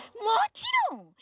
もちろん！